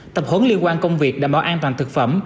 tập huấn liên quan công việc đảm bảo an toàn thực phẩm